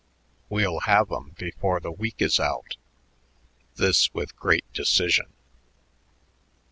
"We'll have 'em before the week is out." This with great decision.